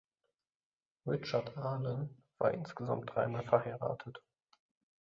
Richard Arlen war insgesamt drei Mal verheiratet.